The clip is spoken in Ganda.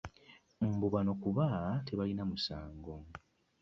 Mbu bano kuba tebalina musango.